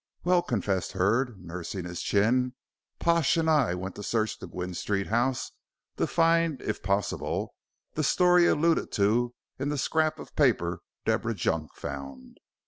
"Well," confessed Hurd, nursing his chin, "Pash and I went to search the Gwynne Street house to find, if possible, the story alluded to in the scrap of paper Deborah Junk found.